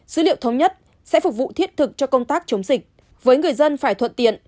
dữ liệu thống nhất sẽ phục vụ thiết thực cho công tác chống dịch với người dân phải thuận tiện